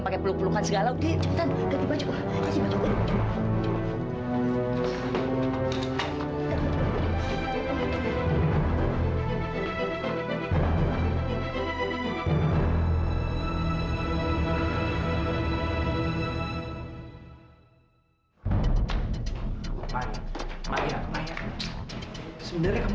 pake peluk pelukan segala